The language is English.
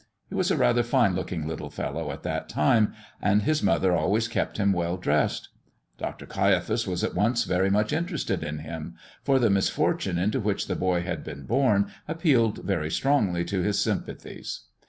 He was a rather fine looking little fellow at that time, and his mother always kept him well dressed. Dr. Caiaphas was at once very much interested in him, for the misfortune into which the boy had been born appealed very strongly to his sympathies.